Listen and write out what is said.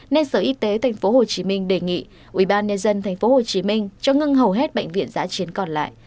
nên sở y tế tp hcm đề nghị ubnd tp hcm cho ngưng hầu hết bệnh viện giã chiến còn lại